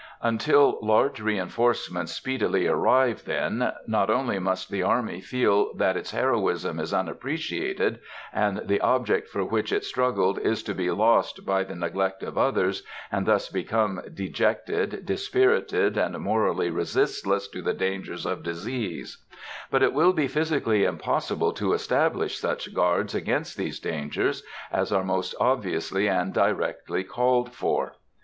Unless large reinforcements speedily arrive, then, not only must the army feel that its heroism is unappreciated, and the object for which it struggled is to be lost by the neglect of others, and thus become dejected, dispirited, and morally resistless to the dangers of disease; but it will be physically impossible to establish such guards against these dangers as are most obviously and directly called for.